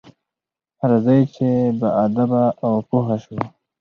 راځئ چې باادبه او پوه شو.